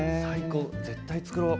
絶対作ろう。